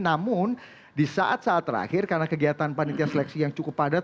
namun di saat saat terakhir karena kegiatan panitia seleksi yang cukup padat